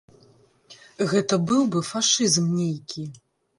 Гэта быў бы фашызм нейкі.